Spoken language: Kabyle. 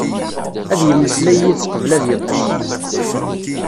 Ad yemmeslay yid-s qbel ad yeṭṭeṣ.